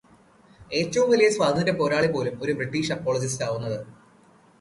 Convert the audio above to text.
ഏറ്റവും വലിയ സ്വാതന്ത്യ പോരാളി പോലും ഒരു ബ്രിട്ടീഷ് അപോളജിസ്റ്റ് ആവുന്നത്.